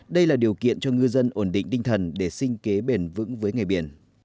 đây là điều kiện cho ngư dân ổn định đinh thần để sinh kế bền vững với ngày biển